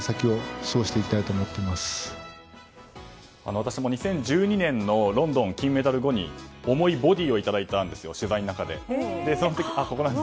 私も２０１２年のロンドンの金メダル後に重いボディーをいただいたんですよ、取材の中で。